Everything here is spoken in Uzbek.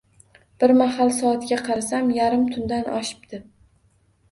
Bir mahal soatga qarasam, yarim tundan oshibdi